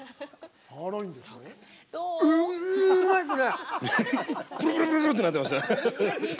うんまいっすね。